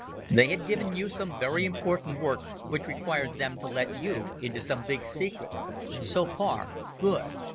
They had given you some very important work which required them to let you into some big secret. So far, good.